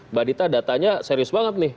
mbak dita datanya serius banget nih